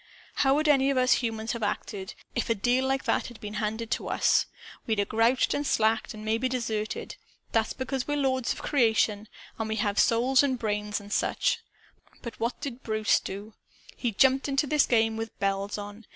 "How would any of us humans have acted, if a deal like that had been handed to us? We'd 'a' grouched and slacked and maybe deserted. That's because we're lords of creation and have souls and brains and such. What did Bruce do? He jumped into this game, with bells on.